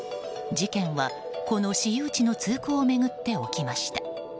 事件はこの私有地の通行を巡って起きました。